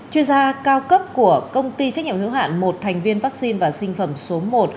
chuyên gia cao cấp của công ty trách nhiệm hiếu hạn một thành viên vaccine và sinh phẩm số một